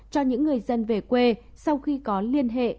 cho những người dân về quê sau khi có liên hệ